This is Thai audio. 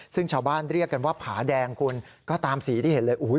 ซึ่งชาวบ้านเรียกกันว่าผาแดงคุณก็ตามสีที่เห็นเลย